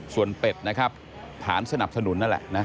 ส่วนเป็ดนะครับฐานสนับสนุนนั่นแหละนะ